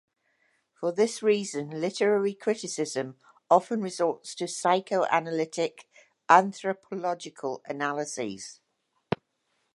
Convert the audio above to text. For this reason literary criticism often resorts to psychoanalytic, anthropological analyses.